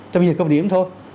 trong giờ cấp điểm thôi